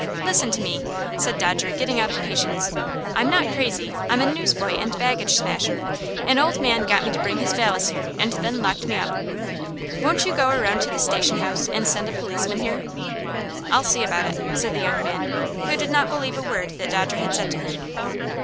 "Listen to me!" said Dodger, getting out of patience. "I'm not crazy. I'm a newsboy and baggage smasher. An old man got me to bring his valise here, and then locked me up. Won't you go around to the station house and send a policeman here?" "I'll see about it," said the young man, who did not believe a word that Dodger had said to him.